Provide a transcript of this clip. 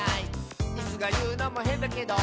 「イスがいうのもへんだけど」